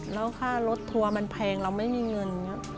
แล้วค่ารถทัวร์มันแพงเราไม่มีเงิน